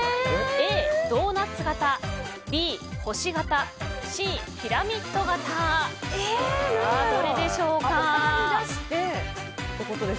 Ａ、ドーナツ形Ｂ、星形Ｃ、ピラミッド形どれでしょうか。